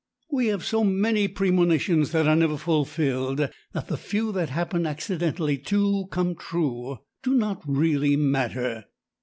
We have so many premonitions that are never fulfilled that the few that happen accidentally to come true do not really matter.